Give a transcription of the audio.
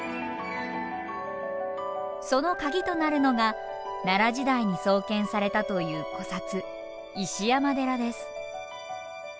その鍵となるのが奈良時代に創建されたという古刹石山寺です。